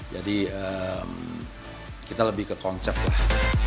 jadi kita lebih ke konsep lah